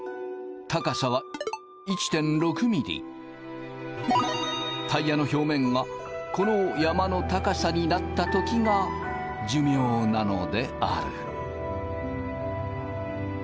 高さはタイヤの表面がこの山の高さになった時が寿命なのである。